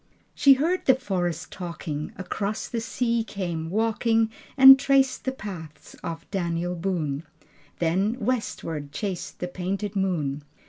II She heard the forest talking, Across the sea came walking, And traced the paths of Daniel Boone, Then westward chased the painted moon.